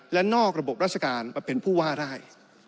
และนอกระบบราชการมาเป็นผู้ว่าได้